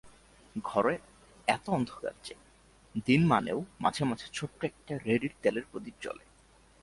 ঘরে এত অন্ধকার যে, দিনমানেও মাঝে মাঝে ছোট্ট একটা রেড়ির তেলের প্রদীপ জ্বলে।